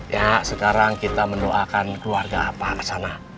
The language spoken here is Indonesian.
ya sekarang kita mendoakan keluarga apa ke sana